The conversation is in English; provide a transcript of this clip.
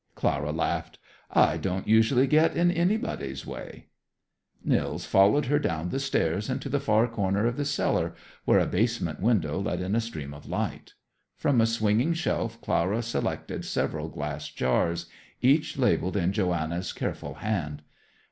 Clara laughed. "I don't usually get in anybody's way." Nils followed her down the stairs and to the far corner of the cellar, where a basement window let in a stream of light. From a swinging shelf Clara selected several glass jars, each labeled in Johanna's careful hand.